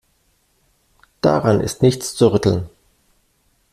Daran ist nichts zu rütteln.